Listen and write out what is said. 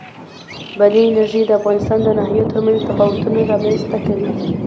بادي انرژي د افغانستان د ناحیو ترمنځ تفاوتونه رامنځ ته کوي.